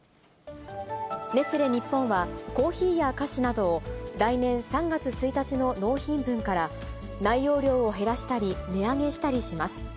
ネスレ日本は、コーヒーや菓子などを、来年３月１日の納品分から、内容量を減らしたり、値上げしたりします。